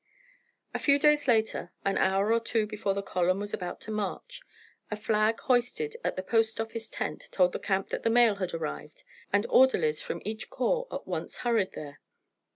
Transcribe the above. A few days later, an hour or two before the column was about to march, a flag hoisted at the post office tent told the camp that the mail had arrived, and orderlies from each corps at once hurried there.